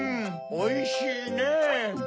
おいしいねぇ。